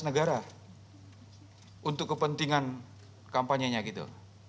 negara untuk kepentingan kampanyenya gitu